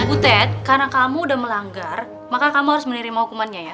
butet karena kamu udah melanggar maka kamu harus menerima hukumannya ya